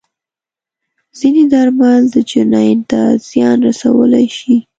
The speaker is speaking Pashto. ځینې درمل د جنین ته زیان رسولی شي.